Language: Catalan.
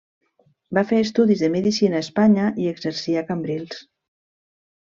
Va fer estudis de medicina a Espanya i exercí a Cambrils.